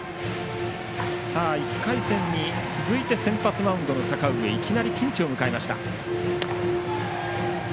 １回戦に続いて先発マウンドの阪上はいきなりピンチを迎えました。